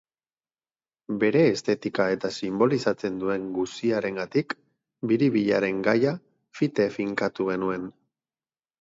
Bere estetika eta sinbolizatzen duen guziarengatik, biribilaren gaia fite finkatu genuen.